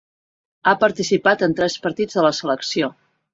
Ha participat en tres partits de la selecció.